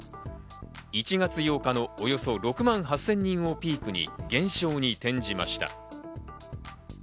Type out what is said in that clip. １月８日のおよそ６万８０００人をピークに減少に転じました。